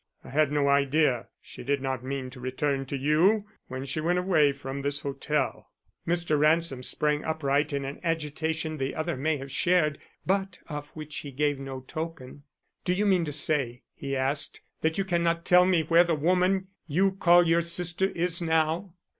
I had no idea she did not mean to return to you when she went away from this hotel." Mr. Ransom sprang upright in an agitation the other may have shared, but of which he gave no token. "Do you mean to say," he asked, "that you cannot tell me where the woman you call your sister is now?"